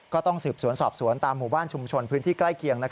ก็ต้องสืบสวนสอบสวนตามหมู่บ้านชุมชนพื้นที่ใกล้เคียง